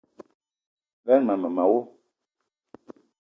Lerma mema wo.